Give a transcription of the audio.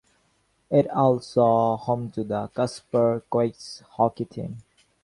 It also home to the Casper Coyotes hockey team.